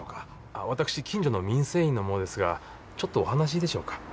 私近所の民生委員の者ですがちょっとお話いいでしょうか？